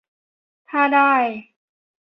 - ถ้าได้